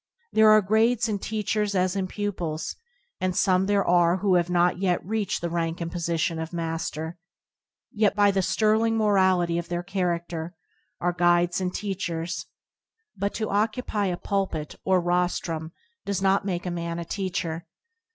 There are grades in teach ers as in pupils, and some there are who have not yet reached the rank and position of Master^ yet, by the sterling morality of their character, are guides and teachers; but to occupy a pulpit or rostrum does not make IBoDp ano Ctrcum0tance a man a teacher.